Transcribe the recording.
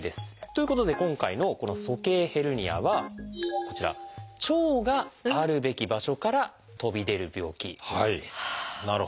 ということで今回のこの「鼠径ヘルニア」はこちら腸があるべき場所から飛び出る病気です。